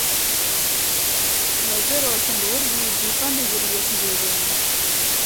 غذر ہور شندور بھی جیپاں دے ذریعے اِتھیو جُلدے ہن۔